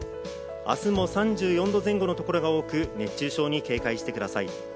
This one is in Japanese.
明日も３４度前後の所が多く熱中症に警戒してください。